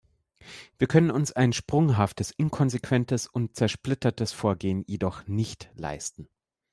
Wir können uns ein sprunghaftes, inkonsequentes und zersplittertes Vorgehen jedoch nicht leisten.